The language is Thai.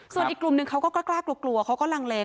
ส่วนอีกกลุ่มหนึ่งเขาก็กล้ากลัวเขาก็ลังเล